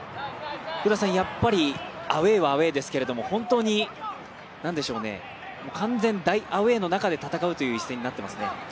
やっぱり、アウェーはアウェーですけれども本当に完全大アウェーの中で戦う一戦となっていますね。